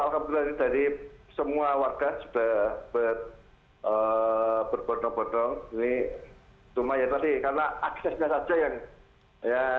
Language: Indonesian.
kalau sembako alhamdulillah ini dari semua warga sudah berbontong bontong